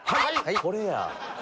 これや。